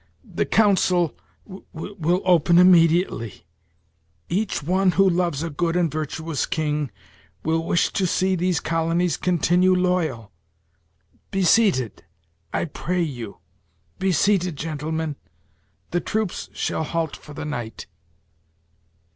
The council will open immediately. Each one who loves a good and virtuous king will wish to see these colonies continue loyal. Be seated I pray you, be seated, gentlemen. The troops shall halt for the night."